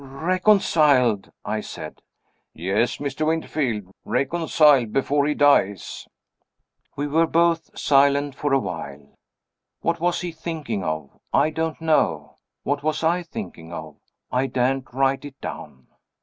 "Reconciled?" I said. "Yes, Mr. Winterfield reconciled, before he dies." We were both silent for a while. What was he thinking of? I don't know. What was I thinking of? I daren't write it down.